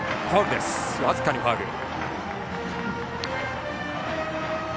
僅かにファウルでした。